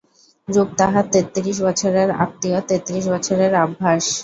রূপ তাহার তেত্রিশ বছরের আত্বীয়, তেত্রিশ বছরের আভ্যাস।